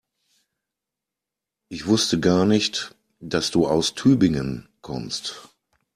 Ich wusste gar nicht, dass du aus Tübingen kommst